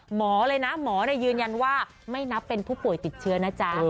หมอเลยนะหมอยืนยันว่าไม่นับเป็นผู้ป่วยติดเชื้อนะจ๊ะ